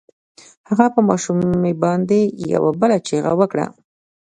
هغه په ماشومې باندې يوه بله چيغه وکړه.